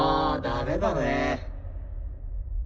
ダメだね